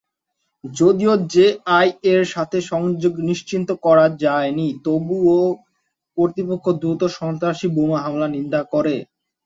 যদিও জেআই-এর সাথে সংযোগ নিশ্চিত করা যায়নি, তবুও কর্তৃপক্ষ দ্রুত সন্ত্রাসী বোমা হামলার নিন্দা করে।